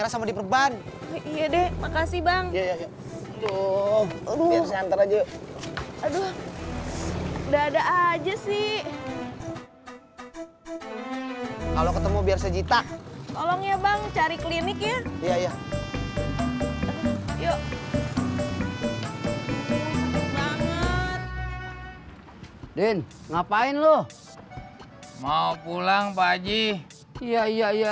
sampai jumpa di video selanjutnya